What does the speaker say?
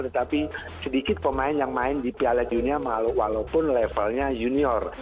tetapi sedikit pemain yang main di piala dunia walaupun levelnya junior